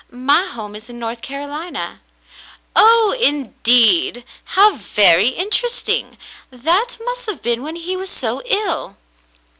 My home is in North Carolina." "Oh, indeed ! How very interesting ! That must have been when he was so ill."